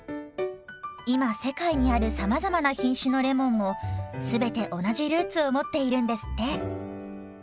今世界にあるさまざまな品種のレモンも全て同じルーツを持っているんですって。